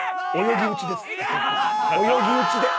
「泳ぎ打ちで」